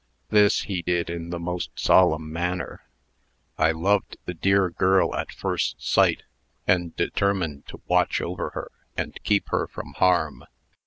This he did in the most solemn manner. I loved the dear girl at first sight, and determined to watch over her, and keep her from harm.